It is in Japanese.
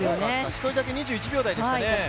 １人だけ２１秒台でしたね。